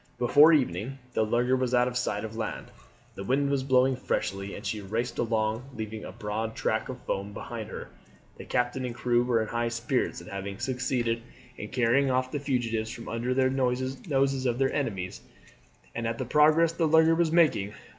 Before evening the lugger was out of sight of land. The wind was blowing freshly, and she raced along leaving a broad track of foam behind her. The captain and crew were in high spirits at having succeeded in carrying off the fugitives from under the noses of their enemies, and at the progress the lugger was making.